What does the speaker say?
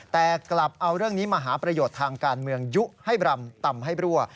แต่กลับเอาเรื่องนี้มาหาประโยชน์ทางการเมืองยุให้บรำต่ำให้รั่ว